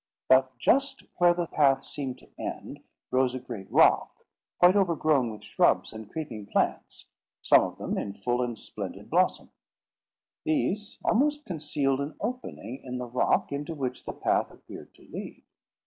But just where the path seemed to end, rose a great rock, quite overgrown with shrubs and creeping plants, some of them in full and splendid blossom: these almost concealed an opening in the rock, into which the path appeared to lead.